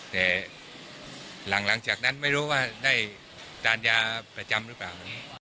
แต่หลังจากนั้นไม่รู้ว่าได้ทานยาประจำหรือเปล่า